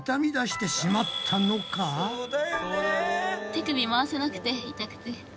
手首回せなくて痛くて。